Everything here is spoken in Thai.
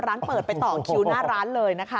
ร้านเปิดไปต่อคิวหน้าร้านเลยนะคะ